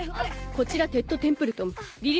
こちらテッド・テンプルトン。